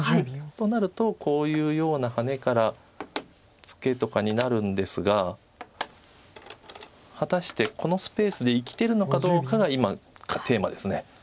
となるとこういうようなハネからツケとかになるんですが果たしてこのスペースで生きてるのかどうかが今テーマです。